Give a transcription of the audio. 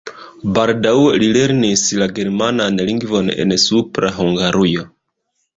Baldaŭe li lernis la germanan lingvon en Supra Hungarujo.